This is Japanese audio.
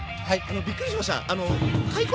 びっくりしました。